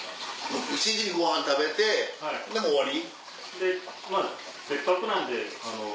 ７時にご飯食べてもう終わり？